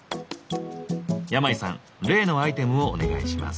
山井さん例のアイテムをお願いします。